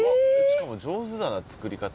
しかも上手だな作り方。